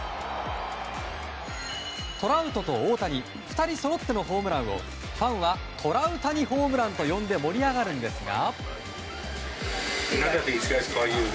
トラウトと大谷２人そろってのホームランをファンはトラウタニホームランと呼んで、盛り上がるんですが。